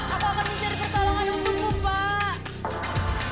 aku akan mencari pertolongan untukmu pak